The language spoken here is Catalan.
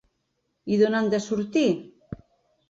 I d’on han de sortir?